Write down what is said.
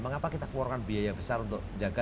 mengapa kita keluarkan biaya yang besar untuk menjaga